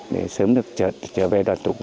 để sớm được trở về đoàn tục